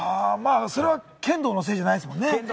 それは剣道のせいじゃないですもんね。